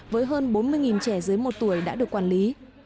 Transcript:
với hơn bốn mươi trẻ dưới một tuổi đã được quản lý